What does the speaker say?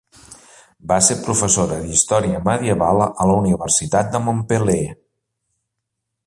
Va ser professora d'història medieval a la Universitat de Montpeller.